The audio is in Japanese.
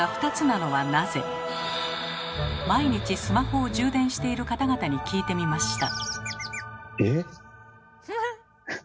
毎日スマホを充電している方々に聞いてみました。